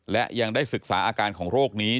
และยังได้ศึกษาอาการของโรคนี้